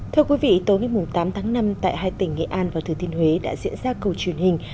thưa quý vị tối ngày tám tháng năm tại hai tỉnh nghệ an và thừa thiên huế đã diễn ra cầu truyền hình